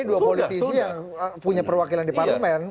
ini dua politisi yang punya perwakilan di parlemen